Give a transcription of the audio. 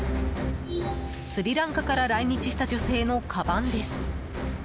スリランカから来日した女性のかばんです。